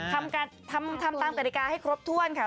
ทำตามกฎิกาให้ครบถ้วนค่ะ